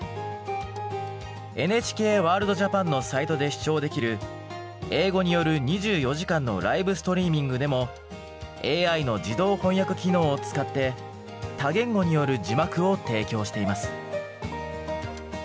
ＮＨＫワールドＪＡＰＡＮのサイトで視聴できる英語による２４時間のライブストリーミングでもＡＩの自動翻訳機能を使って多言語による字幕を提供しています。